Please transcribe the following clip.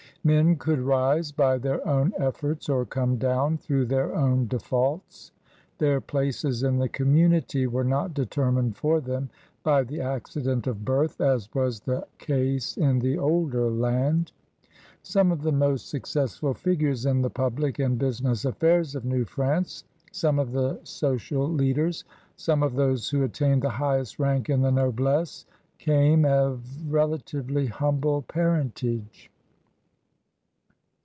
Men could rise by their own efforts or come down through their own defaults; their places in the conmiunity were not determined for them by the accident of birth as was the case in the older land. Some of the most successful figures in the public and business affairs of New France, some of the social leaders, some of those who attained the highest rank in the noblesse, came of relatively humble parentage.